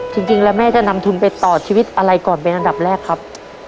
จริงแล้วแม่จะนำทุนไปต่อชีวิตอะไรก่อนเป็นอันดับแรกครับ